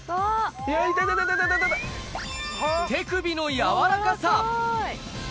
手首の柔らかさ。